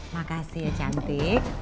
makasih ya cantik